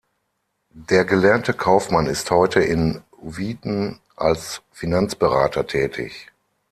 Der gelernte Kaufmann ist heute in Wheaton als Finanzberater tätig.